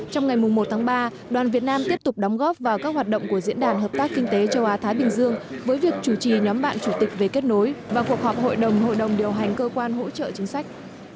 trong ngày một tháng ba đoàn việt nam tiếp tục đóng góp vào các hoạt động của diễn đàn hợp tác kinh tế châu á thái bình dương với việc chủ trì nhóm bạn chủ tịch về kết nối và cuộc họp hội đồng hội đồng điều hành cơ quan hỗ trợ chính sách